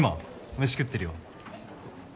飯食ってるよ